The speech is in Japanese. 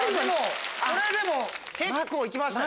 それでも結構いきましたよ。